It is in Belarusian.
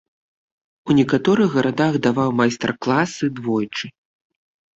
У некаторых гарадах даваў майстар-класы двойчы.